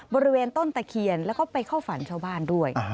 บริเวณต้นตะเคียนแล้วก็ไปเข้าฝันชาวบ้านด้วย